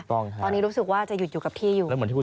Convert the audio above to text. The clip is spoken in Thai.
ตอนนี้รู้สึกว่าจะหยุดอยู่กับที่อยู่